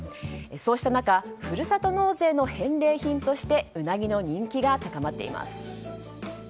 そうした中ふるさと納税の返礼品としてウナギの人気が高まっています。